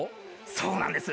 そうなんです。